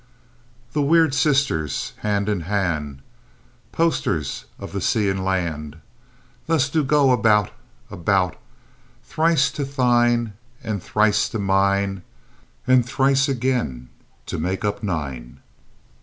The weird sisters, hand in hand, Posters of the sea and land, Thus do go about, about; Thrice to thine, and thrice to mine, And thrice again, to make up nine.